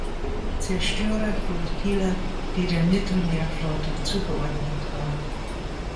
Zerstörerflottille, die der Mittelmeerflotte zugeordnet war.